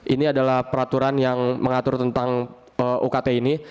ini adalah peraturan yang mengatur tentang ukt ini